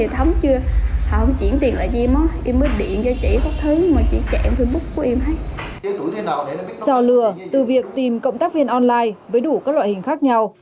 trò lừa từ việc tìm cộng tác viên online với đủ các loại hình khác nhau